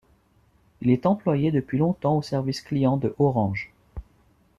Il est employé depuis longtemps au service client de Orange.